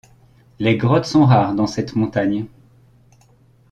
Les grottes sont rares dans cette montagne.